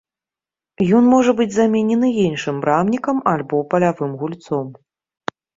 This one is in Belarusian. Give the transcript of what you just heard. Ён можа быць заменены іншым брамнікам альбо палявым гульцом.